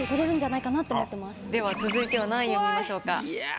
では続いては何位を見ましょうか？